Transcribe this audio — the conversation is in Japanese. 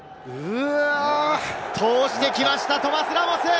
通してきました、トマ・ラモス！